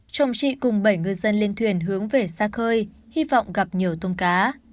chồng chị cùng bảy ngư dân lên thuyền hướng về xa khơi hy vọng gặp nhiều tôm cá